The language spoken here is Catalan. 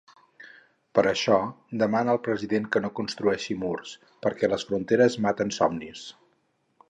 Per això demana al president que no ‘construeixi murs’, perquè ‘les fronteres maten somnis.